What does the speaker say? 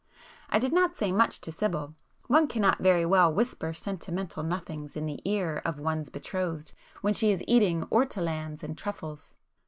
I did not say much to Sibyl,—one cannot very well whisper sentimental nothings in the ear of one's betrothed when she is eating ortolans and truffles.